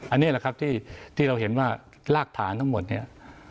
อันนี้แหละครับที่เราเห็นว่ารากฐานทั้งหมดเนี่ย